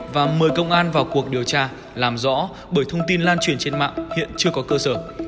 và mời công an vào cuộc điều tra làm rõ bởi thông tin lan truyền trên mạng hiện chưa có cơ sở